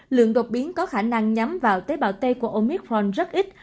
lượng đột biến có khả năng nhắm vào tế bào t của omicron rất ít